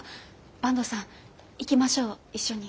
坂東さん行きましょう一緒に。